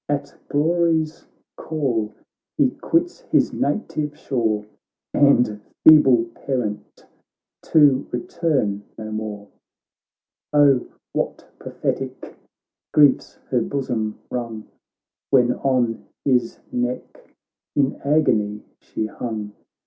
At glory's call he quits his native shore And feeble parent, to return no more. Oh ! what prophetic griefs her bosom wrung When on his neck in agony she hung